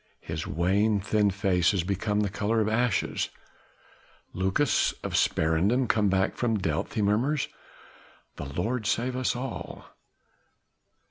His wan, thin face has become the colour of ashes. "Lucas of Sparendam back from Delft," he murmurs, "the Lord save us all!"